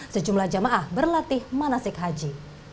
sejumlah jamaah berlatih manasik haji